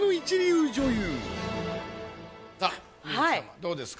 どうですか？